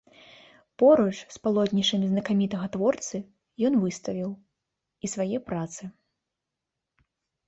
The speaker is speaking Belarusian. Поруч з палотнішчамі знакамітага творцы ён выставіў і свае працы.